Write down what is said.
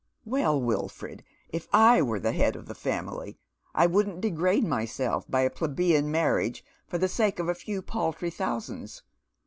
" Well, Wilford, if I were the head of the family I wouldn't degrade myself by a plebeian marriage for the sake of a few paltry thousands.